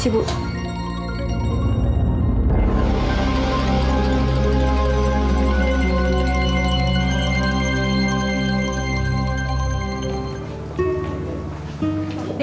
saya punya pembantu baru